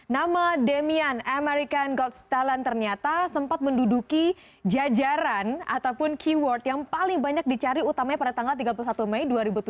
nama demian american gods talent ternyata sempat menduduki jajaran ataupun keyword yang paling banyak dicari utamanya pada tanggal tiga puluh satu mei dua ribu tujuh belas